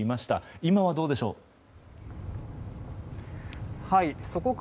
今はどうでしょうか。